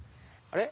あれ？